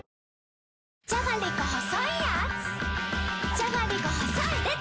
じゃがりこ細いでた‼